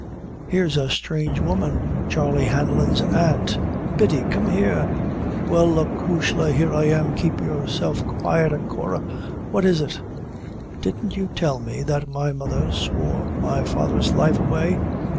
Here's a strange woman Charley Hanlon's aunt Biddy, come here!" "Well, acushla, here I am keep yourself quiet, achora what is it?" "Didn't you tell me that my mother swore my father's life away?"